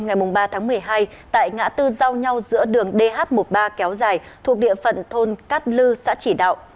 ngày ba tháng một mươi hai tại ngã tư giao nhau giữa đường dh một mươi ba kéo dài thuộc địa phận thôn cát lư xã chỉ đạo